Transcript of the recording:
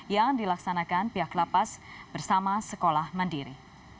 yang dilaksanakan pihak lapas bersama sekolah mandiri